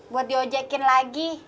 buat diojekin lagi